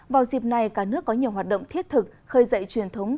vào dịp này cả nước có nhiều hoạt động thiết thực khơi dậy truyền thống